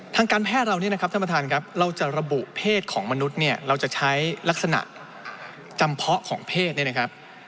ทางการแพทย์เราเนี่ยนะครับท่านประธานครับเราจะระบุเพศของมนุษย์เนี่ยเราจะใช้ลักษณะจำเพาะของเพศเนี่ยนะครับ